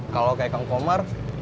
kalau kayak kang komar